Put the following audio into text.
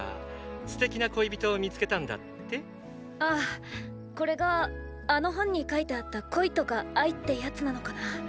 素敵な恋人を見つけたんだって⁉ああこれがあの本に書いてあった恋とか愛ってやつなのかなぁ？